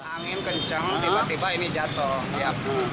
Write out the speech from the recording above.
angin kencang tiba tiba ini jatuh